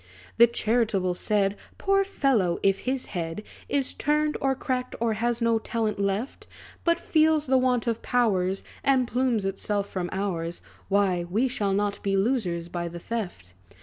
The charitable said, "Poor fellow! if his head Is turned, or cracked, or has no talent left; But feels the want of powers, And plumes itself from ours, Why, we shall not be losers by the theft."